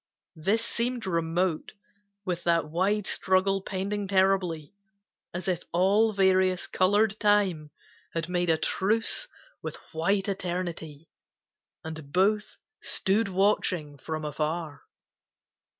This seemed remote, With that wide struggle pending terribly, As if all various, colored Time had made A truce with white Eternity, and both Stood watching from afar.